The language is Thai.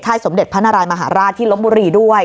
ค่ายสมเด็จพนรายมหาราชที่รบบุรีด้วย